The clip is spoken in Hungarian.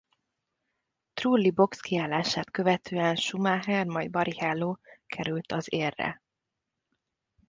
Trulli boxkiállását követően Schumacher majd Barrichello került az élre.